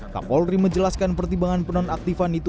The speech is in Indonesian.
kapolri menjelaskan pertimbangan penonaktifan itu